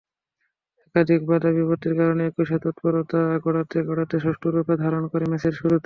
একাধিক বাধা-বিপত্তির কারণে একুশের তৎপরতা গড়াতে গড়াতে সুষ্ঠুরূপ ধারণ করে মার্চের শুরুতে।